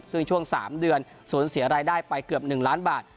ซึ่งช่วง๓เดือนสูญเสียรายได้ไปเกือบ๑ล้านบาท